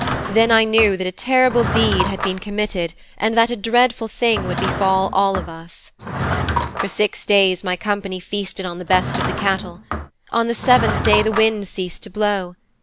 Then I knew that a terrible deed had been committed and that a dreadful thing would befall all of us.' 'For six days my company feasted on the best of the cattle. On the seventh day the winds ceased to blow.